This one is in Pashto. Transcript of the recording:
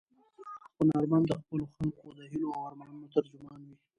هنرمند د خپلو خلکو د هیلو او ارمانونو ترجمان وي.